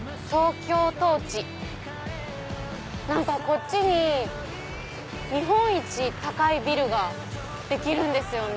何かこっちに日本一高いビルができるんですよね。